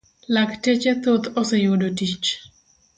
lakteche thoth oseyudo tich.